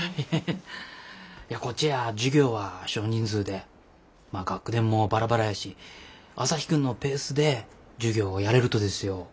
いやこっちや授業は少人数でまあ学年もバラバラやし朝陽君のペースで授業をやれるとですよ。